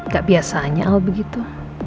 gak biasanya al begitu